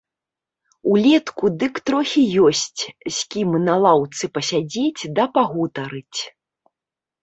Улетку дык трохі ёсць, з кім на лаўцы пасядзець да пагутарыць.